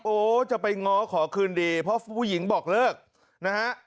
โอ้จะไปง้อขอคืนดีเพราะผู้หญิงบอกเลิกนะฮะ